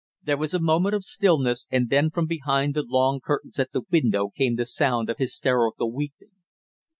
There was a moment of stillness, and then from behind the long curtains at the window came the sound of hysterical weeping.